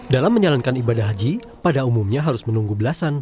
dalam menjalankan ibadah haji pada umumnya harus menunggu belasan